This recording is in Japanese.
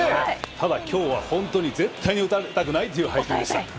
ただきょうは本当に、絶対に撃たれたくなくという配球でした。